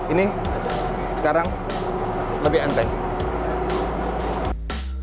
ini sekarang lebih lancar